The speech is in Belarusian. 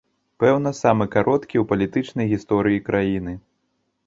Пэўна, самы кароткі ў палітычнай гісторыі краіны.